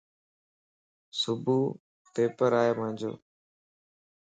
صبح پيپرائي مانجو